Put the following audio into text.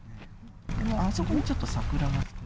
あそこにちょっと桜が。え？